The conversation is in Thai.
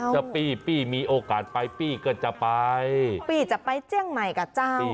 ปี้มีโอกาสไปปี้ก็จะไปปี้จะไปเจียงใหม่กับเจ้า